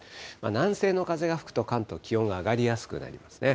南西の風が吹くと関東、気温が上がりやすくなりますね。